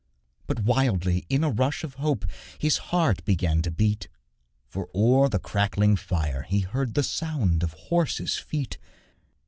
But wildly, in a rush of hope, His heart began to beat, For o'er the crackling fire he heard The sound of horses' feet.